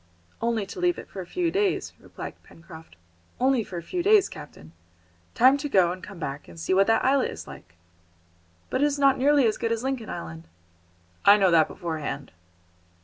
"Only to leave it for a few days," replied Pencroft, "only for a few days, captain. Time to go and come back, and see what that islet is like!" "But it is not nearly as good as Lincoln Island." "I know that beforehand."